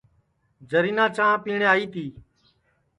جرینا چانٚھ پِیٹؔیں آئی تی